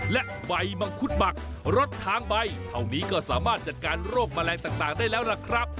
และใบมังคุดหมักรสทางใบเท่านี้ก็สามารถจัดการโรคแมลงต่างได้แล้วล่ะครับ